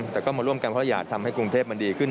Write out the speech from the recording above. แต่ก็มาร่วมกันเพราะอยากทำให้กรุงเทพมันดีขึ้น